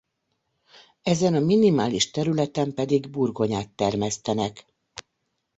Ezen a minimális területen pedig burgonyát termesztenek.